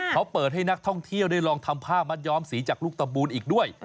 เขาเปิดให้นักท่องเที่ยวได้ลองทำผ้ามัดย้อมสีจากลูกตะบูนอีกด้วย